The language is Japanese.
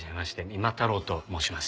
三馬太郎と申します。